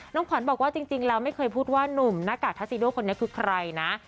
ขวัญบอกว่าจริงแล้วไม่เคยพูดว่านุ่มหน้ากากทัสซิโดคนนี้คือใครนะ